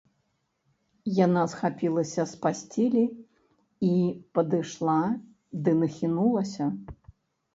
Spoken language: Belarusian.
Яна схапілася з пасцелі і падышла ды нахінулася.